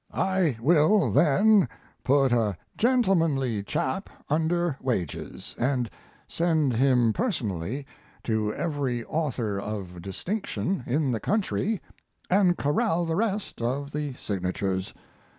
I will then put a gentlemanly chap under wages, and send him personally to every author of distinction in the country and corral the rest of the signatures.